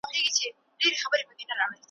کتاب یعني تر ټولو ښه رهنما !